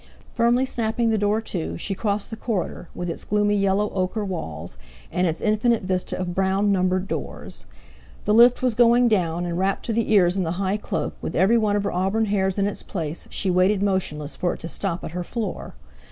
Firmly snapping the door to, she crossed the corridor, with its gloomy, yellow ochre walls, and its infinite vista of brown, numbered doors. The lift was going down; and wrapped to the ears in the high cloak, with every one of her auburn hairs in its place, she waited motionless for it to stop at her floor.